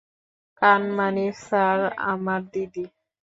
Kanmani sir আমার দিদি।